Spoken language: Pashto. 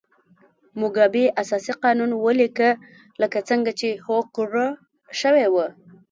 موګابي اساسي قانون ولیکه لکه څنګه چې هوکړه شوې وه.